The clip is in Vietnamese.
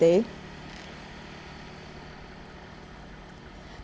thông tin vừa rồi